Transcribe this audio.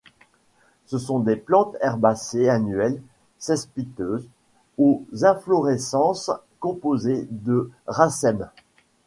Ce sont des plantes herbacées annuelles, cespiteuses, aux inflorescences composées de racèmes.